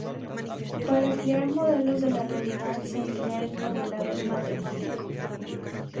Para crear modelos de la realidad se emplea el modelado matemático.